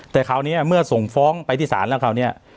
แต่คราวนี้เมื่อส่งฟ้องไปที่ศาลแล้วคราวนี้